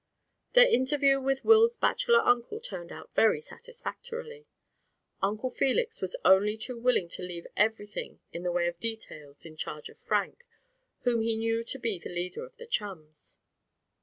Their interview with Will's bachelor uncle turned out very satisfactorily. Uncle Felix was only too willing to leave everything in the way of details in charge of Frank, whom he knew to be the leader of the chums.